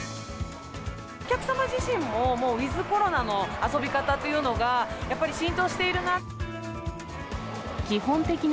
お客様自身も、もうウィズコロナの遊び方というのが、やっぱり浸透しているな。